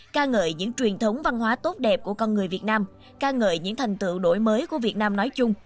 ca ngợi những truyền thống văn hóa tốt đẹp của con người việt nam ca ngợi những thành tựu đổi mới của việt nam nói chung